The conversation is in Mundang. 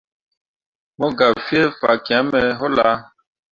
Mo gah fie fakyẽmme wullah.